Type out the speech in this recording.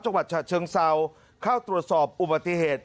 จังหวัดฉะเชิงเซาเข้าตรวจสอบอุบัติเหตุ